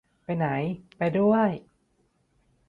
ไปไหน ไปด้วย